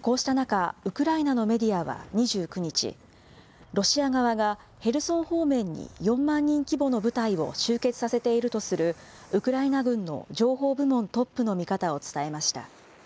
こうした中、ウクライナのメディアは２９日、ロシア側がヘルソン方面に４万人規模の部隊を集結させているとするウクライナ軍の情報部門トップの見方を伝えました。